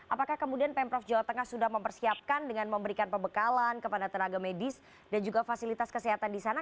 apakah kemudian pemprov jawa tengah sudah mempersiapkan dengan memberikan pembekalan kepada tenaga medis dan juga fasilitas kesehatan di sana